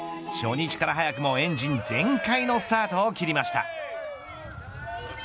初日から早くもエンジン全開のスタートを切りました。